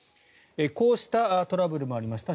こうしたトラブルもありました。